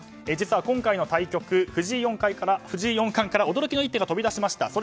実は、今回の対局藤井四冠から驚きの一手が飛び出しました。